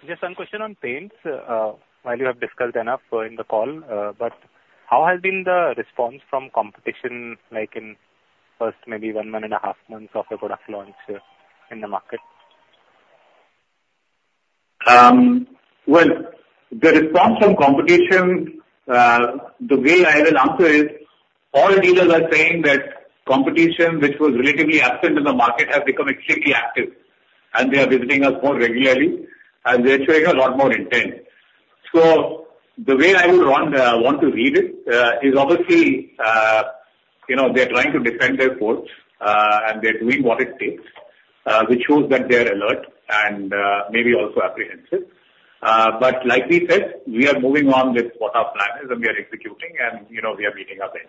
Just one question on paints. While you have discussed enough in the call, but how has been the response from competition, like in first maybe one month and a half months of a product launch in the market? Well, the response from competition, the way I will answer is, all dealers are saying that competition, which was relatively absent in the market, has become extremely active, and they are visiting us more regularly and they're showing a lot more intent. So the way I would want to read it is obviously, you know, they're trying to defend their ports, and they're doing what it takes, which shows that they are alert and maybe also apprehensive. But like we said, we are moving on with what our plan is, and we are executing and, you know, we are meeting our benchmarks.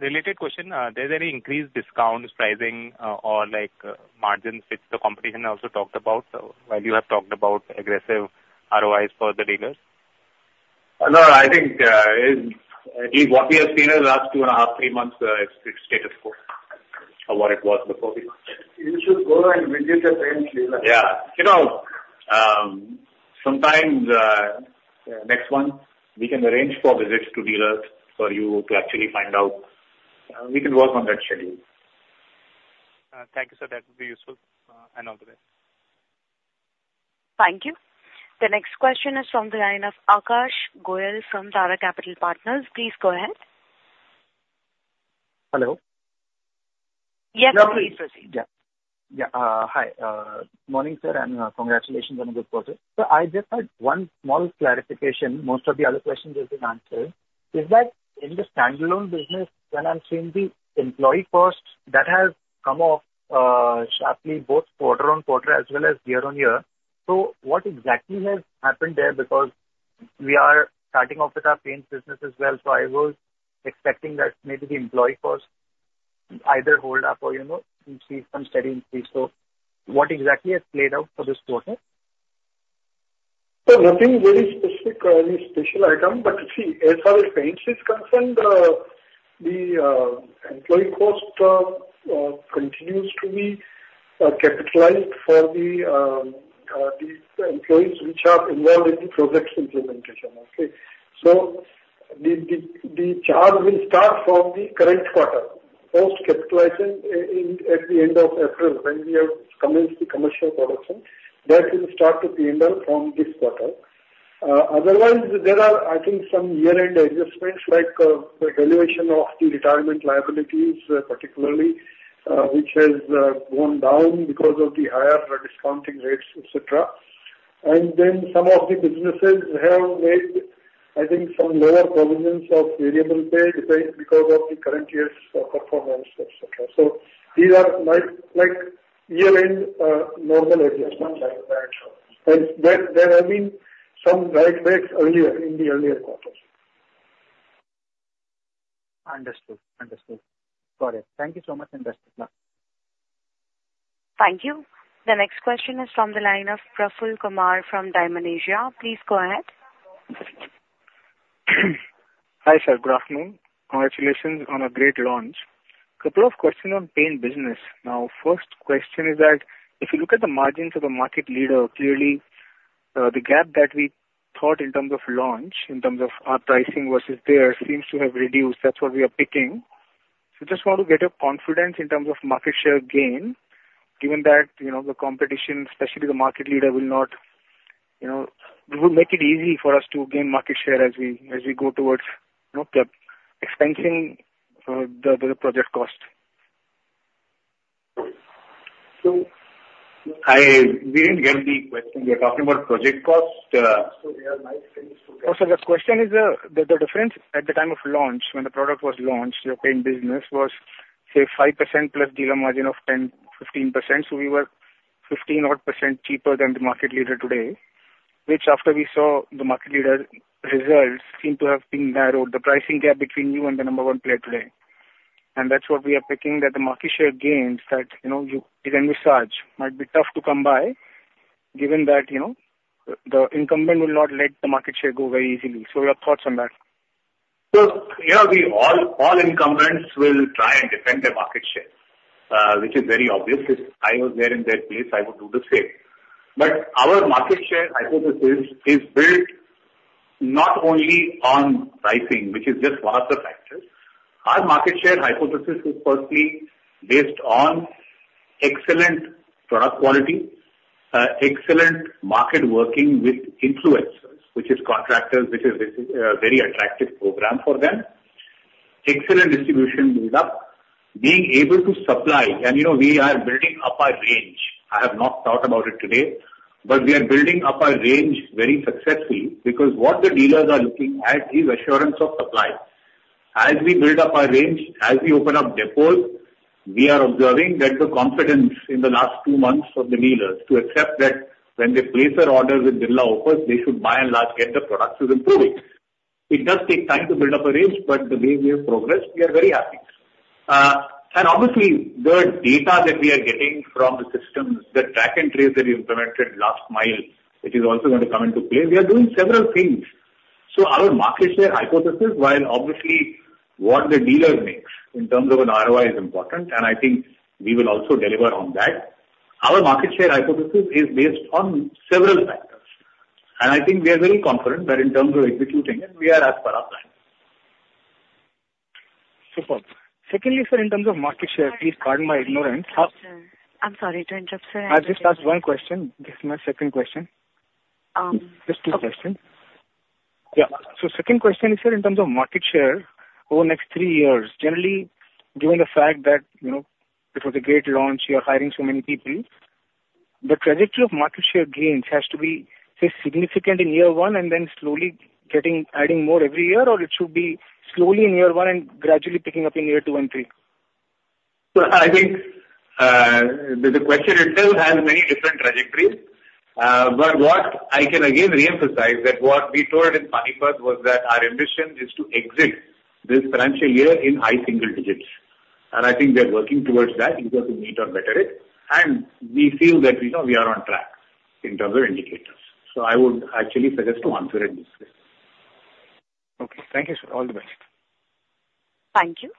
Related question, there's any increased discounts, pricing, or like, margins which the competition also talked about, while you have talked about aggressive ROIs for the dealers? No, I think, at least what we have seen in the last 2.5-3 months, it's status quo, or what it was before. You should go and visit the paints dealer. Yeah. You know, sometimes, next month we can arrange for visits to dealers for you to actually find out. We can work on that schedule. Thank you, sir. That would be useful, and all the best. Thank you. The next question is from the line of Aakash Goel from Tara Capital Partners. Please go ahead. Hello? Yes, please proceed. Yeah. Yeah. Hi, morning, sir, and congratulations on the good quarter. So I just had one small clarification. Most of the other questions have been answered. Is that in the standalone business, when I'm seeing the employee cost, that has come off sharply, both quarter-on-quarter as well as year-on-year. So what exactly has happened there? Because we are starting off with our paints business as well, so I was expecting that maybe the employee cost either hold up or, you know, we see some steady increase. So what exactly has played out for this quarter? So nothing very specific or any special item. But see, as far as paints is concerned, the employee cost continues to be capitalized for the employees, which are involved in the projects implementation. Okay? So, the charge will start from the current quarter, post capitalizing in, at the end of April, when we have commenced the commercial production. That will start to P&L from this quarter. Otherwise, there are, I think, some year-end adjustments like the valuation of the retirement liabilities, particularly, which has gone down because of the higher discounting rates, et cetera. And then some of the businesses have made, I think, some lower provisions of variable pay because of the current year's performance, et cetera. So these are like year-end normal adjustments like that. And there have been some write backs earlier in the earlier quarters. Understood. Understood. Got it. Thank you so much, and best of luck. Thank you. The next question is from the line of Praful Kumar from Dymon Asia Capital. Please go ahead. Hi, sir, good afternoon. Congratulations on a great launch. A couple of questions on paint business. Now, first question is that if you look at the margins of a market leader, clearly, the gap that we thought in terms of launch, in terms of our pricing versus theirs, seems to have reduced. That's what we are picking. Just want to get a confidence in terms of market share gain, given that, you know, the competition, especially the market leader, will not, you know. It will make it easy for us to gain market share as we go towards, you know, the expansion, the project cost. I didn't get the question. You're talking about project cost, Oh, so the question is, the difference at the time of launch, when the product was launched, your paint business was, say, 5% plus dealer margin of 10%-15%. So we were 15-odd% cheaper than the market leader today, which after we saw the market leader results, seem to have been narrowed, the pricing gap between you and the number one player today. And that's what we are picking, that the market share gains that, you know, you can research, might be tough to come by, given that, you know, the incumbent will not let the market share go very easily. So your thoughts on that? So, you know, the incumbents will try and defend their market share, which is very obvious. If I was there in their place, I would do the same. But our market share hypothesis is built not only on pricing, which is just one of the factors. Our market share hypothesis is firstly based on excellent product quality, excellent market working with influencers, which is contractors, which is a very attractive program for them. Excellent distribution build up, being able to supply, and you know, we are building up our range. I have not talked about it today, but we are building up our range very successfully because what the dealers are looking at is assurance of supply. As we build up our range, as we open up depots, we are observing that the confidence in the last two months of the dealers to accept that when they place their order with Birla Opus, they should by and large get the product is improving. It does take time to build up a range, but the way we have progressed, we are very happy. And obviously, the data that we are getting from the systems, the track and trace that we implemented last mile, it is also going to come into play. We are doing several things. So our market share hypothesis, while obviously what the dealer makes in terms of an ROI is important, and I think we will also deliver on that. Our market share hypothesis is based on several factors, and I think we are very confident that in terms of executing it, we are as per our plan. Superb. Secondly, sir, in terms of market share, please pardon my ignorance- I'm sorry to interrupt, sir. I just asked one question. This is my second question. Um, okay. Just two questions. Yeah. So second question is, sir, in terms of market share over the next three years, generally, given the fact that, you know, it was a great launch, you are hiring so many people, the trajectory of market share gains has to be, say, significant in year one and then slowly getting, adding more every year, or it should be slowly in year one and gradually picking up in year two and three? So I think, the question itself has many different trajectories. But what I can again reemphasize that what we told in Panipat was that our ambition is to exit this financial year in high single digits, and I think we are working towards that, if not to meet or better it, and we feel that, you know, we are on track in terms of indicators. So I would actually suggest to answer it this way. Okay. Thank you, sir. All the best. Thank you.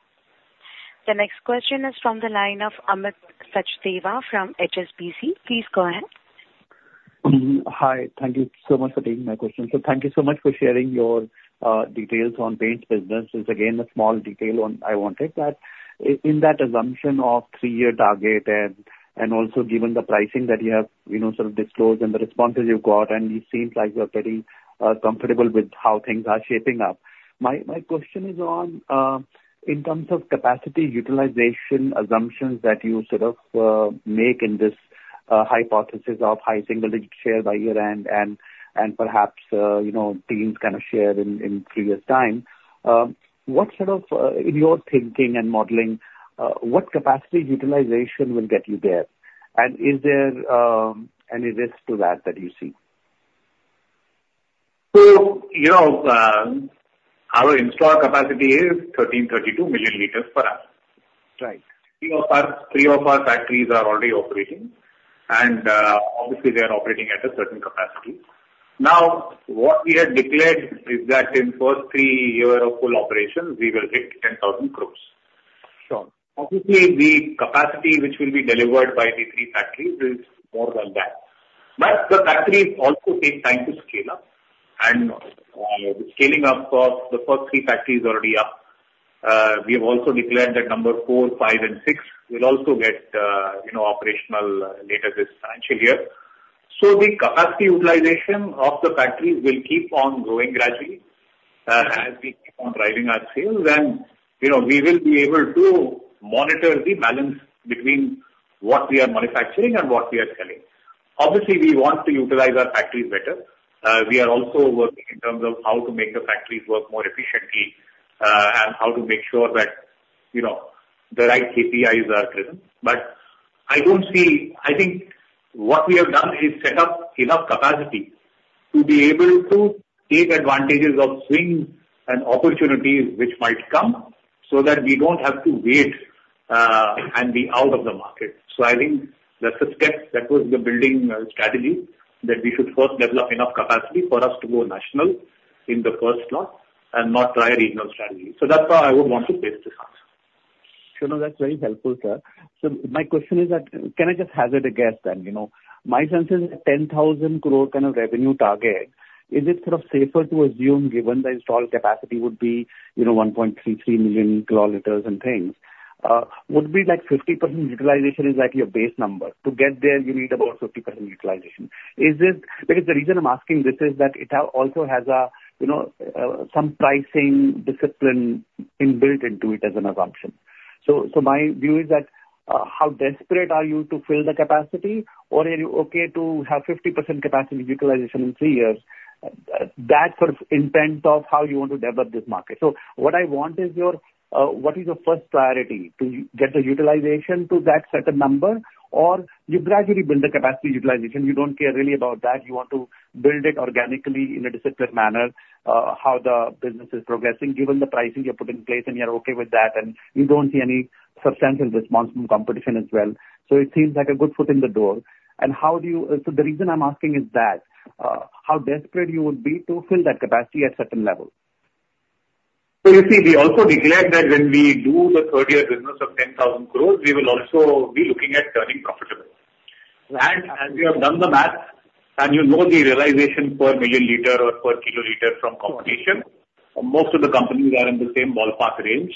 The next question is from the line of Amit Sachdeva from HSBC. Please go ahead. Hi. Thank you so much for taking my question. So thank you so much for sharing your details on paints business. It's again, a small detail on, I wanted, but in that assumption of three-year target and also given the pricing that you have, you know, sort of disclosed and the responses you've got, and it seems like you are very comfortable with how things are shaping up. My, my question is on in terms of capacity utilization assumptions that you sort of make in this hypothesis of high single-digit share by year-end and perhaps, you know, teens kind of share in three years' time. What sort of in your thinking and modeling what capacity utilization will get you there? And is there any risk to that you see? You know, our installed capacity is 1,332 million liters per hour. Right. Three of our factories are already operating, and, obviously, they are operating at a certain capacity. Now, what we had declared is that in first three year of full operations, we will hit 10,000 crore. Sure. Obviously, the capacity which will be delivered by the three factories is more than that. But the factories also take time to scale up, and, the scaling up of the first three factories is already up. We have also declared that numbers 4, 5, and 6 will also get, you know, operational later this financial year. So the capacity utilization of the factories will keep on growing gradually, as we keep on driving our sales. And, you know, we will be able to monitor the balance between what we are manufacturing and what we are selling. Obviously, we want to utilize our factories better. We are also working in terms of how to make the factories work more efficiently, and how to make sure that, you know, the right KPIs are driven. But I don't see—I think what we have done is set up enough capacity to be able to take advantages of swings and opportunities which might come, so that we don't have to wait, and be out of the market. So I think that's the step, that was the building strategy, that we should first develop enough capacity for us to go national in the first slot and not try a regional strategy. So that's why I would want to base this on. Sure, no, that's very helpful, sir. So my question is that, can I just hazard a guess then? You know, my sense is that 10,000 crore kind of revenue target, is it sort of safer to assume, given the installed capacity would be, you know, 1.33 million kiloliters and things, would be like 50% utilization is like your base number. To get there, you need about 50% utilization. Is it? Because the reason I'm asking this is that it has also a, you know, some pricing discipline inbuilt into it as an assumption. So, so my view is that, how desperate are you to fill the capacity, or are you okay to have 50% capacity utilization in 3 years? That sort of intent of how you want to develop this market. So what I want is your, what is your first priority, to get the utilization to that certain number, or you gradually build the capacity utilization, you don't care really about that, you want to build it organically in a disciplined manner, how the business is progressing, given the pricing you're putting in place, and you're okay with that, and you don't see any substantial response from competition as well. So it seems like a good foot in the door. And how do you... So the reason I'm asking is that, how desperate you would be to fill that capacity at certain level? So you see, we also declared that when we do the third year business of 10,000 crore, we will also be looking at turning profitable. Right. As we have done the math, and you know the realization per milliliter or per kiloliter from competition, most of the companies are in the same ballpark range.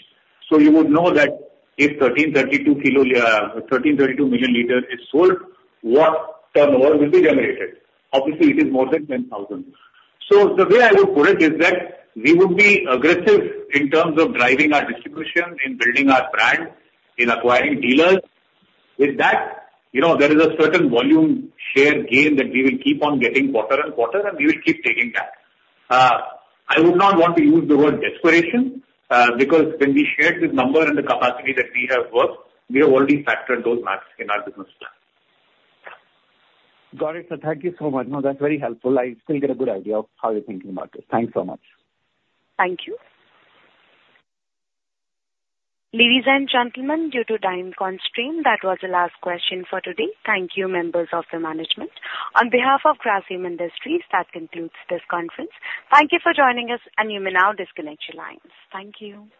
So you would know that if 1,332 kilo, 1,332 milliliter is sold, what turnover will be generated? Obviously, it is more than 10,000. So the way I would put it is that we would be aggressive in terms of driving our distribution, in building our brand, in acquiring dealers. With that, you know, there is a certain volume share gain that we will keep on getting quarter-over-quarter, and we will keep taking that. I would not want to use the word desperation, because when we shared this number and the capacity that we have worked, we have already factored those maths in our business plan. Got it, sir. Thank you so much. No, that's very helpful. I still get a good idea of how you're thinking about this. Thanks so much. Thank you. Ladies and gentlemen, due to time constraint, that was the last question for today. Thank you, members of the management. On behalf of Grasim Industries, that concludes this conference. Thank you for joining us, and you may now disconnect your lines. Thank you.